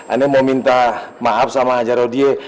aneh mau minta maaf sama aja rodia